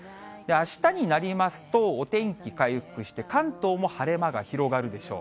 あしたになりますと、お天気回復して、関東も晴れ間が広がるでしょう。